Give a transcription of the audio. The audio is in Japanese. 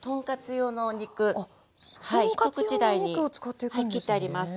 一口大に切ってあります。